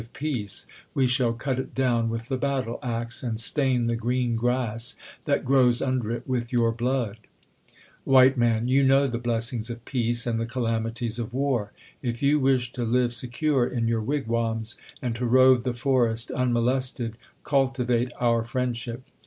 of peace ; we shall cut it down v/ith the battle 4 ';e, :;and stain the green grass that grov/s under it with your 'lalood. W, Man. You know the blessings of peace, and the calamities of war. If you wish to live secure in your wigwams, and to rove the forest unmolested, cultivate our friendship.